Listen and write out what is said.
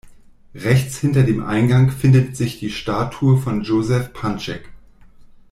Rechts hinter dem Eingang findet sich die Statue von Josef Pančić.